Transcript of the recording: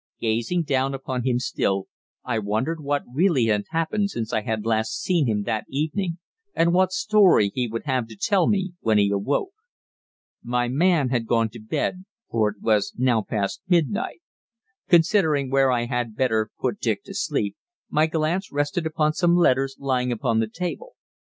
Gazing down upon him still, I wondered what really had happened since I had last seen him that evening, and what story he would have to tell me when he awoke. My man had gone to bed, for it was now past midnight. Considering where I had better put Dick to sleep, my glance rested upon some letters lying on the table.